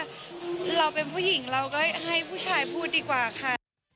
เราเป็นผู้หญิงเราก็ให้ผู้ชายพูดดีกว่าค่ะ